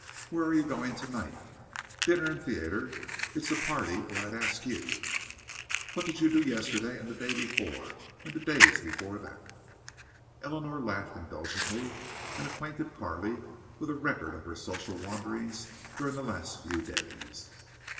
"Where are you going to night?" "Dinner and theater. It's a party, or I'd ask you." "What did you do yesterday and the day before, and the days before that?" Eleanor laughed indulgently, and acquainted Carley with a record of her social wanderings during the last few days.